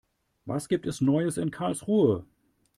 Was gibt es Neues in Karlsruhe?